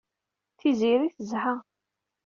Tiziri tezha.